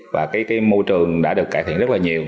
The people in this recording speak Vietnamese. và cái môi trường đã được cải thiện rất là nhiều